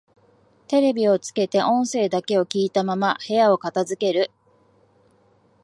テレビをつけて音声だけを聞いたまま部屋を片づける